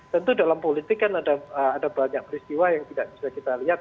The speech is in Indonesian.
tentu dalam politik kan ada banyak peristiwa yang tidak bisa kita lihat